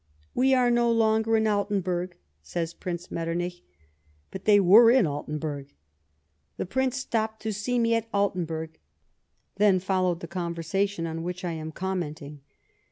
" We are no longer in Altenburg," says Prince Metternich. But they were in Altenburg. " The Prince stopped to see me at xVlten burg ;" then followed the conversation on which I am commenting.